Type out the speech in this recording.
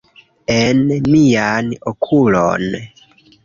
En mian okulon!